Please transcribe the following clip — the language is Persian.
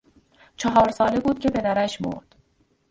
چهار ساله بود که پدرش مرد.